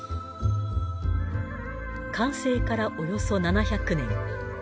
完成からおよそ７００年。